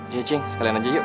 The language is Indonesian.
ya cheng sekalian aja yuk